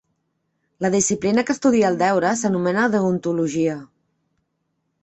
La disciplina que estudia el deure s'anomena deontologia.